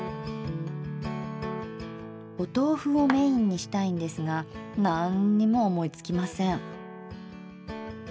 お豆腐をメインにしたいんですがなんっにも思いつきません。